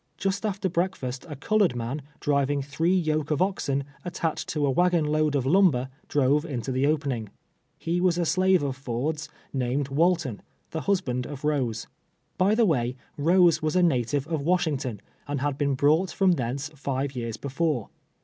Just after breakfast a colored man, driving three yoke of oxen, attached to a wagon load of lumber, drove into the opening. He was a slave of Ford's, named Y>^alton, the husband of Rose. By the way. Rose was a native of Washington, and had been brought from thence live years before.